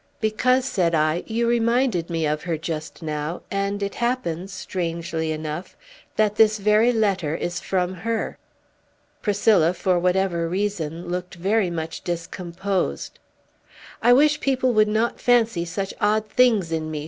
"Because," said I, "you reminded me of her just now, and it happens, strangely enough, that this very letter is from her." Priscilla, for whatever reason, looked very much discomposed. "I wish people would not fancy such odd things in me!"